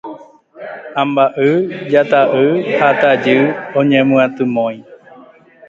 Amba'y, jata'y ha tajy oñemyatymói